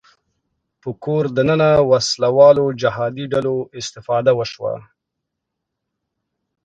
په کور دننه وسله والو جهادي ډلو استفاده وشوه